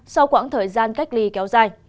sau khoảng thời gian cách ly kéo dài